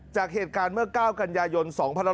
จากเหตุการณ์เมื่อ๙กันยายน๒๕๖๒